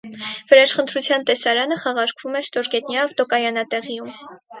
Վրեժխնդրության տեսարանը խաղարկվում է ստորգետնյա ավտոկայանատեղիում։